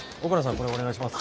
これお願いします。